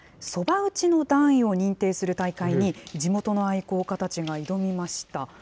そば打ちの段位を認定する大会に地元の愛好家たちが挑みました。